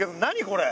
これ。